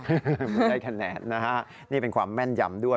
ไม่ได้คะแนนนะฮะนี่เป็นความแม่นยำด้วย